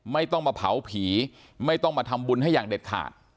ไม่ต้องมาเผาผีไม่ต้องมาทำบุญให้อย่างเด็ดขาด